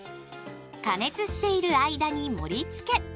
加熱している間に盛りつけ。